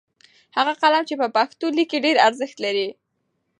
هغه قلم چې په پښتو لیکي ډېر ارزښت لري.